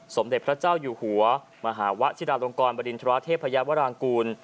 สมเด็จพระเจ้าอยู่หัวมหาวะชิดาลงกรบริณฑราเทพยาวรางกูล